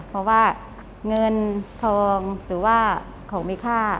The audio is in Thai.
เพราะว่าเงินทองหรือว่าของมีค่า